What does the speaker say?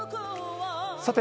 さて、